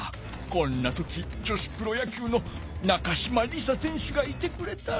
こんな時女子プロ野球の中島梨紗選手がいてくれたら。